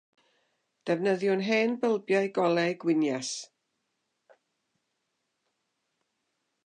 Defnyddiwn hen bylbiau golau gwynias.